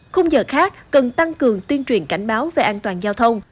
khung giờ khác cần tăng cường tuyên truyền cảnh báo về an toàn giao thông